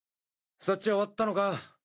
そっちは終わったのか？